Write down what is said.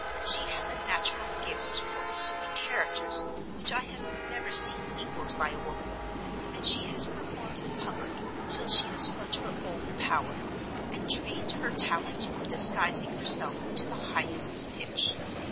She has a natural gift for assuming characters which I have never seen equaled by a woman; and she has performed in public until she has felt her own power, and trained her talent for disguising herself to the highest pitch.